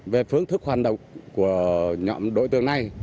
về phương thức hoàn đồng của nhận đối tượng này